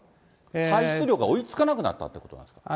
排出量が追いつかなくなったということなんですか？